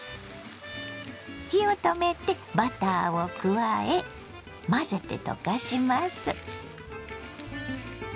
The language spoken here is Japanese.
火を止めてバターを加え混ぜて溶かします。